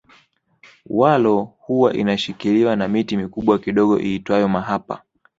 Walo huwa inashikiliwa na miti mikubwa kidogo iitwayo mahapa